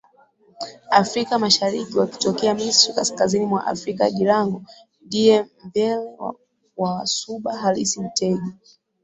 Afrika Mashariki wakitokea Misri kaskazini mwa Afrika Girango ndiye mvyele wa Wasuba halisi Mtegi